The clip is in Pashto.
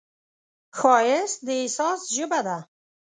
ښایست د احساس ژبه ده